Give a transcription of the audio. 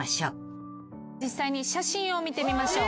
実際に写真を見てみましょう。